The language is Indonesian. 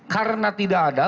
karena tidak ada